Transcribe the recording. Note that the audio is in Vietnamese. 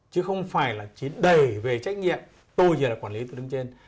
chứ không phải là chỉ đầy về trách nhiệm tôi chỉ là quản lý từ đứng trên